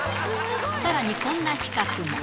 さらにこんな企画も。